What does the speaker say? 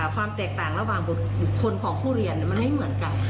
ความแตกต่างระหว่างบุคคลของผู้เรียนมันไม่เหมือนกัน